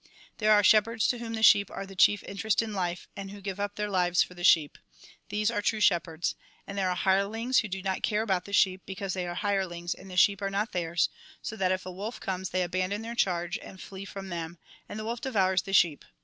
' There are shepherds to whom the sheep are the chief interest in life, and who give up their lives for the sheep. These are true shepherds. And there are hirelings who do not care about the sheep, because they are hirelings, and the sheep are not theirs ; so that if a wolf comes they abandon their charge and flee from them, and the wolf devours the sheep.